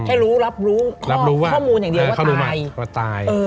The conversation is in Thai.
ให้รู้รับรู้ข้อมูลอย่างเดียวว่าตาย